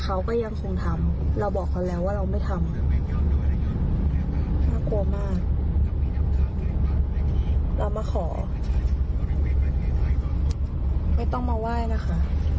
โอ้โหมากเรามาขอไม่ต้องมาไหว้นะคะ